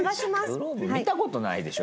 グローブ見た事ないでしょ